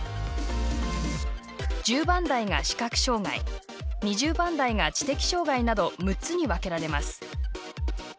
１０番台が視覚障がい２０番台が知的障がいなど６つに分けられます。